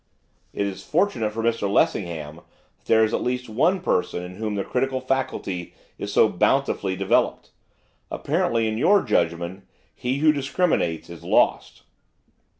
'It is fortunate for Mr Lessingham that there is at least one person in whom the critical faculty is so bountifully developed. Apparently, in your judgment, he who discriminates is lost.